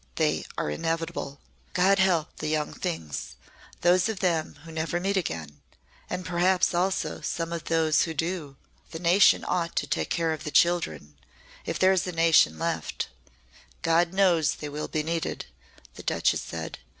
"They are inevitable." "God help the young things those of them who never meet again and perhaps, also, some of those who do. The nation ought to take care of the children. If there is a nation left, God knows they will be needed," the Duchess said.